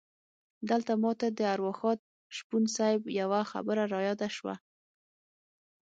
دلته ماته د ارواښاد شپون صیب یوه خبره رایاده شوه.